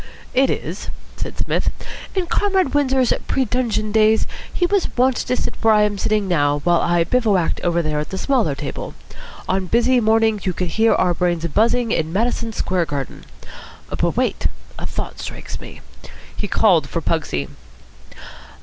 "It is," said Psmith. "In Comrade Windsor's pre dungeon days he was wont to sit where I am sitting now, while I bivouacked over there at the smaller table. On busy mornings you could hear our brains buzzing in Madison Square Garden. But wait! A thought strikes me." He called for Pugsy.